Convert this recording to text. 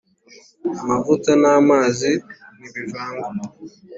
amavuta n'amazi ntibivanga